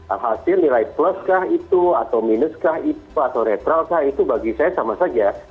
alhasil nilai plus kah itu atau minus kah itu atau netral kah itu bagi saya sama saja